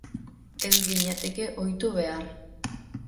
Ez ginateke ohitu behar.